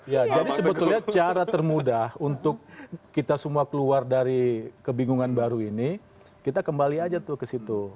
ya jadi sebetulnya cara termudah untuk kita semua keluar dari kebingungan baru ini kita kembali aja tuh ke situ